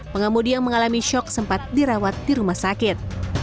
pengemudi yang mengalami shock sempat dirawat di rumah sakit